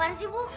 apa sih bu